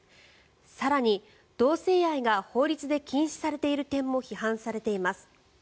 更に、同性愛が法律で禁止されている点も批判されています。